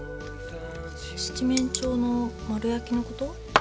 七面鳥の丸焼きのこと？